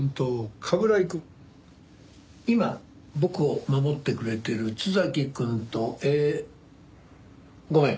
今僕を守ってくれてる津崎くんとええごめん。